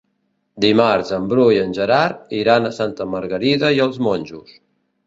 Dimarts en Bru i en Gerard iran a Santa Margarida i els Monjos.